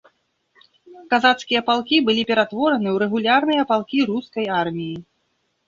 Казацкія палкі былі ператвораны ў рэгулярныя палкі рускай арміі.